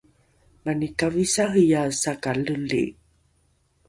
mani kavisariae sakaleli